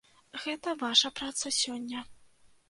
Гэта ваша праца сёння.